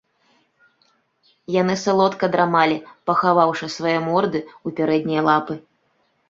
Яны соладка драмалі, пахаваўшы свае морды ў пярэднія лапы.